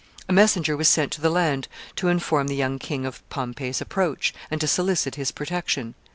A messenger was sent to the land to inform the young king of Pompey's approach, and to solicit his protection.